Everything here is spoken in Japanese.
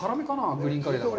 グリーンカレーだから。